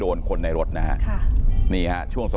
ตอนนี้ก็เปลี่ยนแหละ